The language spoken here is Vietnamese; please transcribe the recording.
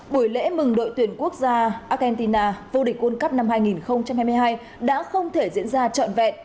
buổi lễ mừng đội tuyển quốc gia argentina vô địch world cup năm hai nghìn hai mươi hai đã không thể diễn ra trọn vẹn